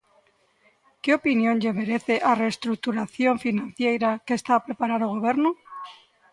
Que opinión lle merece a reestruturación financeira que está a preparar o Goberno?